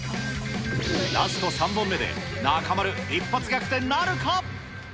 ラスト３本目で、中丸、一発逆転なるか。